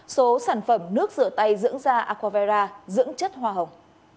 số sản phẩm nước rửa tay dưỡng da aquavara dưỡng chất hoa hồng